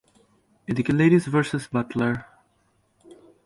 এদিকে "ladies versus Butler!"